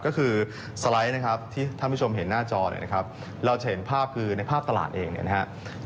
ก็คือสไลด์ที่ท่านผู้ชมเห็นหน้าจอเราจะเห็นภาพคือในภาพตลาดเองนะครับ